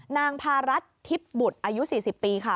นางพารัฐทิพย์บุตรอายุ๔๐ปีค่ะ